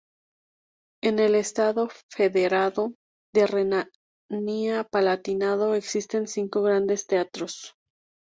En el estado federado de Renania-Palatinado existen cinco grandes teatros.